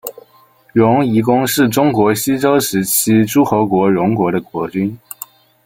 荣夷公是中国西周时期诸侯国荣国的国君。